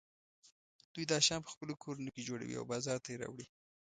دوی دا شیان په خپلو کورونو کې جوړوي او بازار ته یې راوړي.